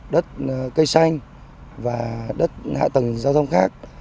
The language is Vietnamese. đất cây xanh và đất hạ tầng giao thông khác